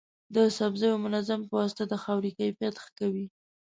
د سبزیو منظم پواسطه د خاورې کیفیت ښه کوي.